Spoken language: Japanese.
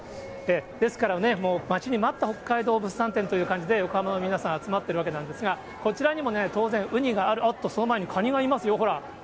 ですから、待ちに待った北海道物産展という感じで、横浜の皆さん、集まっているわけなんですが、こちらにも当然、ウニがある、おっと、その前にカニがいますよ、ほら。